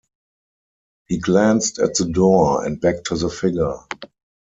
He glanced at the door and back to the figure.